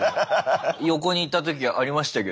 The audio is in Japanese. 横にいた時ありましたけどね。